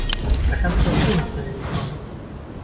Da kannst du auch ohne Training mitmachen.